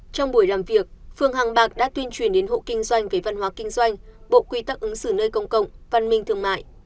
trong buổi làm việc phường hàng bạc đã tuyên truyền đến hộ kinh doanh về văn hóa kinh doanh bộ quy tắc ứng xử nơi công cộng văn minh thương mại